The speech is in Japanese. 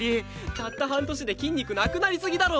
たった半年で筋肉なくなりすぎだろ！